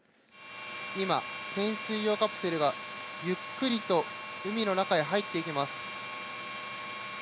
今、潜水用カプセルがゆっくりと海の中へ入っていきます。